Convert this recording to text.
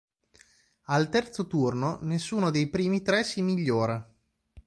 Al terzo turno nessuno dei primi tre si migliora.